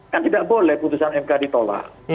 kan tidak boleh putusan mk ditolak